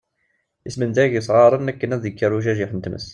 Ismendaga isɣaren akken ad ikker ujajiḥ n tmes.